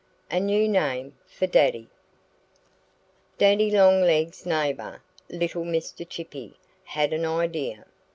XXIII A NEW NAME FOR DADDY DADDY LONGLEGS' neighbor, little Mr. Chippy, had an idea.